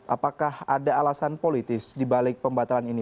apakah ada alasan politis di balik pembatalan ini